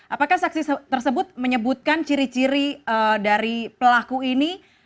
apakah saksi tersebut menyebutkan ciri ciri dari pelaku ini